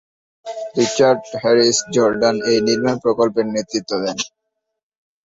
Richard Harris Jordan এই নির্মাণ প্রকল্পের নেতৃত্ব দেন।